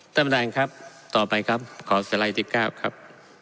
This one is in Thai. ตั้งแต่ครับต่อไปครับขอสไลด์ที่เก้าครับ